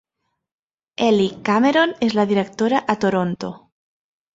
Ellie Cameron és la directora a Toronto.